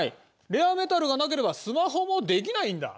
レアメタルがなければスマホもできないんだ。